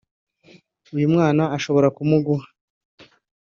uyu mwana nshobora kumuguha